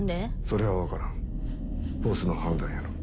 それは分からんボスの判断やろ。